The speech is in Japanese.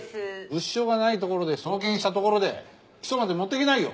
物証がないところで送検したところで起訴まで持っていけないよ。